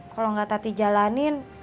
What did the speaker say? kalau gak tati jalanin